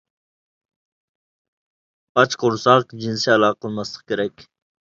ئاچ قورساق جىنسىي ئالاقە قىلماسلىق كېرەك.